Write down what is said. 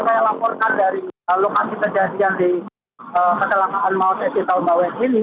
jadi saya laporkan dari lokasi terjadi yang di kecelakaan maut eksit tol bawen ini